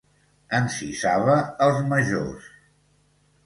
Encisava els majors.